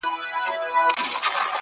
تا څه کول جانانه چي راغلی وې وه کور ته~